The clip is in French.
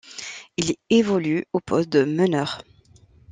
Il évolue au postes de meneur.